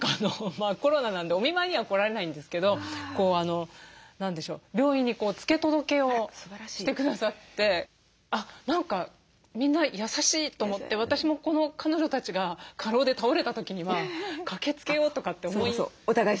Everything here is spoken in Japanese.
コロナなんでお見舞いには来られないんですけど何でしょう病院に付け届けをしてくださって何かみんな優しいと思って私もこの彼女たちが過労で倒れた時には駆けつけようとかって思いました。